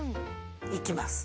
いきます。